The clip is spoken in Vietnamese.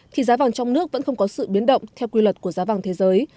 thì giá vàng trong nước vẫn không có sự biến động theo quy luật của giá vàng thế giới